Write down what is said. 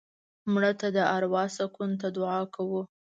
مړه ته د اروا سکون ته دعا کوو